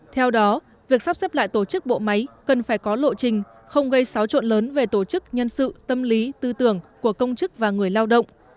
theo đó việc sắp xếp lại tổ chức bộ máy cần phải có lộ trình không gây xáo trộn lớn về tổ chức nhân sự tâm lý tư tưởng của công chức và người lao động